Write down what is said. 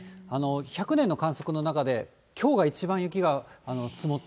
１００年の観測の中で、きょうが一番雪が積もった。